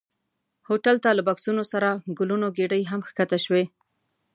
هوټل ته له بکسونو سره ګلونو ګېدۍ هم ښکته شوې.